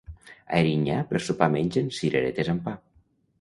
A Erinyà per sopar mengen cireretes amb pa.